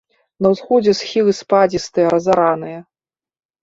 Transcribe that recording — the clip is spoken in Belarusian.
На ўсходзе схілы спадзістыя, разараныя.